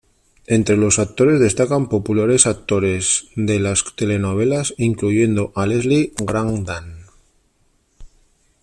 Entre los actores destacan populares actores de las telenovelas, incluyendo a Leslie Grantham.